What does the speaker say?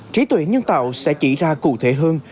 trí tuệ nhân tạo sẽ chỉ ra cụ thể hơn